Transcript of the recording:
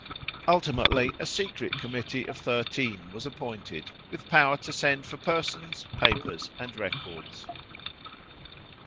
Ultimately, a secret committee of thirteen was appointed, with power to send for persons, papers, and records.